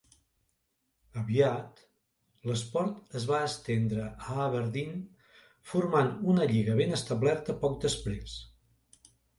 Aviat, l'esport es va estendre a Aberdeen formant una lliga ben establerta poc després.